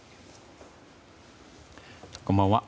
こんばんは。